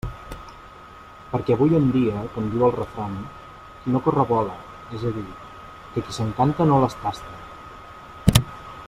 Perquè avui en dia, com diu el refrany, qui no corre vola, és a dir, que qui s'encanta no les tasta.